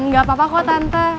gak apa apa kok tante